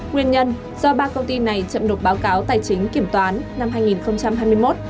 nguyên nhân do ba công ty này chậm nộp báo cáo tài chính kiểm toán năm hai nghìn hai mươi một